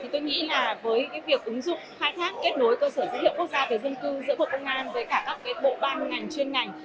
tôi nghĩ là với việc ứng dụng khai thác kết nối cơ sở dữ liệu quốc gia về dân cư giữa bộ công an với cả các bộ ban ngành chuyên ngành